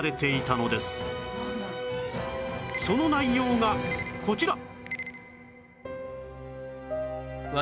その内容がこちら！